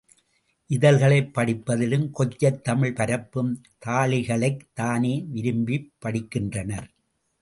இதழ்களைப் படிப்பதிலும் கொச்சைத் தமிழ் பரப்பும் தாளிகைகளைத் தானே விரும்பிப் படிக்கின்றனர்.